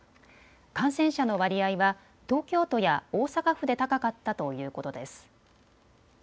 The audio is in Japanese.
感染者の割合は東京都や大阪府で高かったということです。